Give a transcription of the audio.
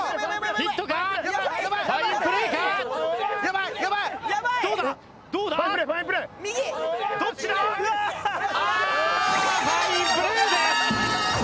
ファインプレーです。